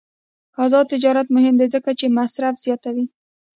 آزاد تجارت مهم دی ځکه چې مصرف زیاتوي.